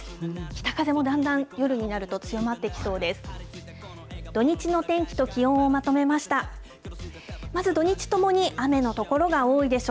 北風もだんだん夜になると強まってきそうです。